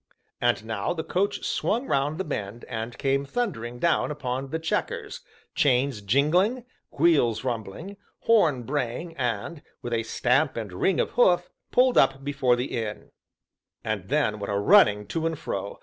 And now the coach swung round the bend, and came thundering down upon "The Chequers," chains jingling, wheels rumbling, horn braying and, with a stamp and ring of hoof, pulled up before the inn. And then what a running to and fro!